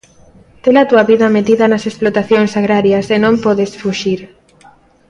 Tes a túa vida metida nas explotacións agrarias e non podes fuxir.